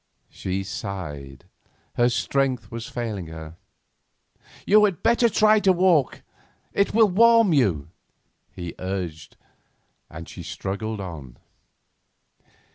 She sighed; her strength was failing her. "You had better try to walk, it will warm you," he urged, and she struggled on.